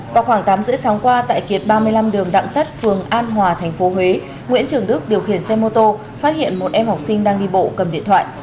vào khoảng tám h ba mươi sáng qua tại kiệt ba mươi năm đường đặng tất phường an hòa tp huế nguyễn trường đức điều khiển xe mô tô phát hiện một em học sinh đang đi bộ cầm điện thoại